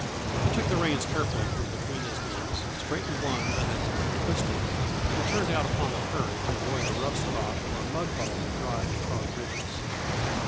He took the reins carefully from between his knees, straightened one that had become twisted and turned out upon the prairie to avoid a rough spot where a mud puddle had dried in hard ridges.